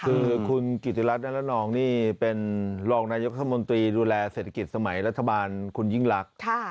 คือคุณกิติรัฐนรนองนี่เป็นรองนายกรัฐมนตรีดูแลเศรษฐกิจสมัยรัฐบาลคุณยิ่งลักษณ์